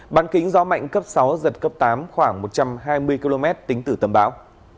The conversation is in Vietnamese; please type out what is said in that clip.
bán kính gió mạnh cấp sáu giật cấp tám khoảng một trăm hai mươi km tính từ tâm bão